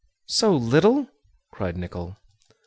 "So little?" cried Nicholl.